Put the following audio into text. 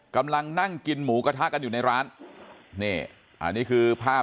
กำลังนั่งกินหมูกระทะกันอยู่ในร้านนี่อันนี้คือภาพ